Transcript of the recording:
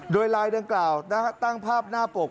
โดยไลน์เดือนกล่าวตั้งภาพหน้าปก